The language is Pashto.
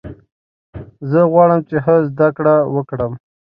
زه غواړم چې ښه زده کړه وکړم.